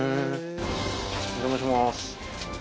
お邪魔します。